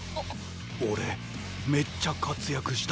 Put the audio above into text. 俺めっちゃ活躍した。